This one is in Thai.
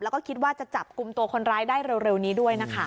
แล้วก็คิดว่าจะจับกลุ่มตัวคนร้ายได้เร็วนี้ด้วยนะคะ